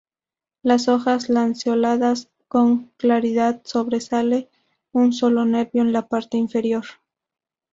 Las hojas lanceoladas con claridad sobresale un solo nervio en la parte inferior.